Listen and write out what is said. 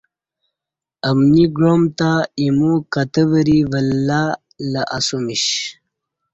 امنی گعام تہ ایمو کتہ وری ولہ لہ اسمیش